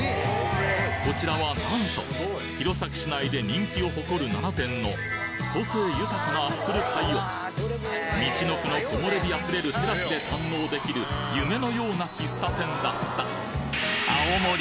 こちらはなんと弘前市内で人気を誇る７店の個性豊かなアップルパイをみちのくの木漏れ日溢れるテラスで堪能できる夢のような喫茶店だった